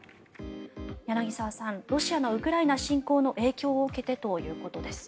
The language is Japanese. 柳澤さん、ロシアのウクライナ侵攻の影響を受けてということです。